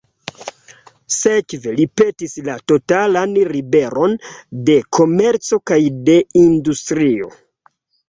Sekve, li petis la totalan liberon de komerco kaj de industrio.